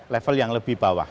level yang lebih bawah